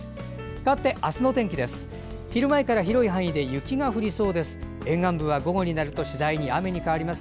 かわって明日の天気です。